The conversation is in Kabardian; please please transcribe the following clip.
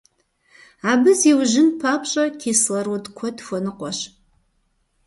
Абы зиужьын папщӀэ, кислород куэд хуэныкъуэщ.